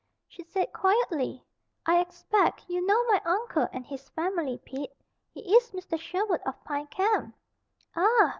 She said, quietly: "I expect you know my uncle and his family, Pete. He is Mr. Sherwood of Pine Camp." "Ah!